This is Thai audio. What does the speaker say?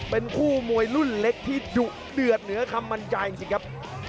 เป็นคู่มวยรุ่นเล็กที่ดุเดือดเหนือคำบรรยายจริงครับ